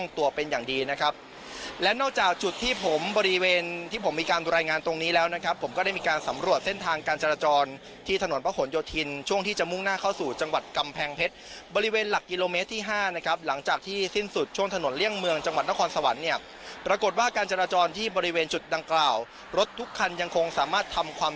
ตามรายงานตรงนี้แล้วนะครับผมก็ได้มีการสำรวจเส้นทางการจราจรที่ถนนพระขนโยธินช่วงที่จะมุ่งหน้าเข้าสู่จังหวัดกำแพงเพชรบริเวณหลักกิโลเมตรที่ห้านะครับหลังจากที่สิ้นสุดช่วงถนนเลี่ยงเมืองจังหวัดนครสวรรค์เนี่ยปรากฏว่าการจราจรที่บริเวณจุดดังกล่าวรถทุกคันยังคงสามารถทำคว